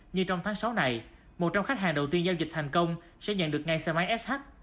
như trong tháng sáu này một trăm linh khách hàng đầu tiên giao dịch thành công sẽ nhận được ngay xe máy sh